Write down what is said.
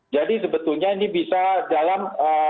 jadi sebetulnya ini bisa dalam